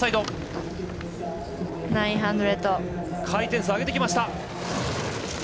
回転数上げてきました。